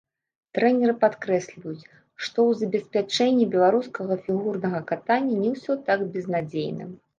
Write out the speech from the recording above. Трэнеры падкрэсліваюць, што ў забеспячэнні беларускага фігурнага катання не ўсё так безнадзейна.